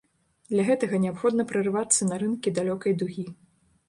Для гэтага неабходна прарывацца на рынкі далёкай дугі.